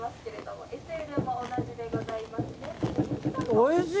おいしい。